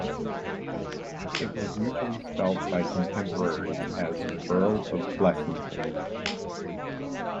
It was usually spelt by contemporaries as "Earl of Blesinton".